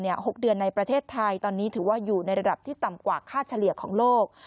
๖เดือนในประเทศไทยตอนนี้ถือว่าอยู่ในระดับที่ต่ำกว่าค่าเฉลี่ยของโลก